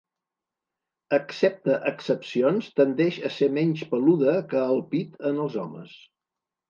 Excepte excepcions tendeix a ser menys peluda que el pit en els homes.